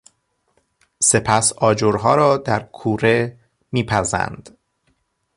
سپس آجرها را در کوره می پزند.